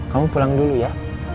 kamu pulang dulu ya